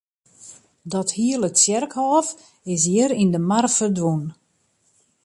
Dat hele tsjerkhôf is hjir yn de mar ferdwûn.